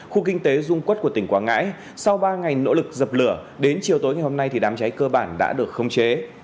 khu kinh tế dung quốc của tỉnh quảng ngãi sau ba ngày nỗ lực dập lửa đến chiều tối ngày hôm nay đám cháy cơ bản đã được khống chế